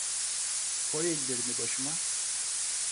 Koy ellerini başıma…